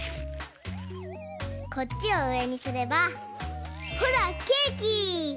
こっちをうえにすればほらケーキ！